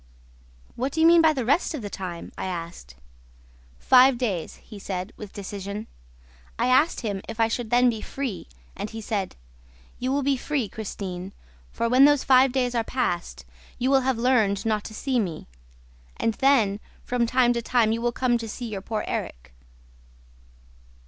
'What do you mean by the rest of the time?' I asked. 'Five days,' he said, with decision. I asked him if I should then be free and he said, 'You will be free, Christine, for, when those five days are past, you will have learned not to see me; and then, from time to time, you will come to see your poor Erik!'